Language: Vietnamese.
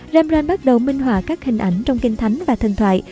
rembrandt bắt đầu minh họa các hình ảnh trong kinh thánh và thân thoại